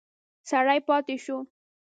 سړی پاتې شو.